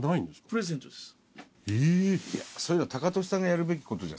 プレゼントです。え。